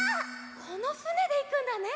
このふねでいくんだね！